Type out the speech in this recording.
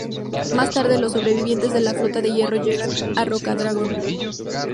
Más tarde, los sobrevivientes de la Flota de Hierro llegan a Rocadragón.